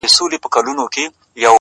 د دغه ښار ښکلي غزلي خیالوري غواړي;